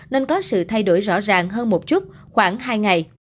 nên có sự thay đổi rõ ràng hơn một chút khoảng hai ngày